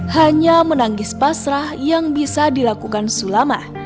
hanya menangis pasrah yang bisa dilakukan sulama